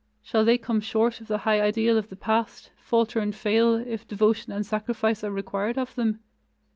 Shall they come short of the high ideal of the past, falter and fail, if devotion and sacrifice are required of them?